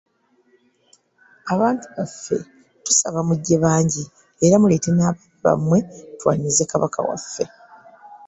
Abantu baffe tusaba mujje bangi era muleete n’abaana bammwe twanirize Kabaka waffe.